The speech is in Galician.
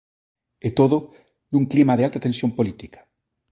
E todo nun clima de alta tensión política.